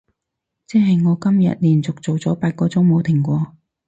即係我今日連續做咗八個鐘冇停過